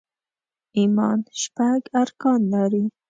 ايمان شپږ ارکان لري